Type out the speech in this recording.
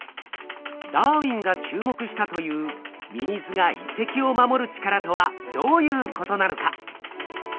ダーウィンが注目したというミミズが遺跡を守る力とはどういうことなのか？